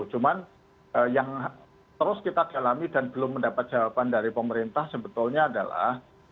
cuma yang terus kita dalami dan belum mendapat jawaban dari pemerintah sebetulnya adalah